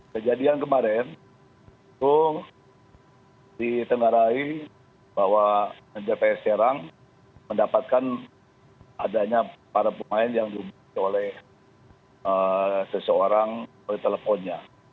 kejadian kemarin itu ditengarai bahwa gps serang mendapatkan adanya para pemain yang dihubungi oleh seseorang oleh teleponnya